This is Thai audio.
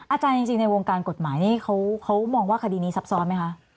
อาจารย์จริงในวงการกฎหมายนี่เขามองว่าคดีนี้ซับซ้อนไหมคะ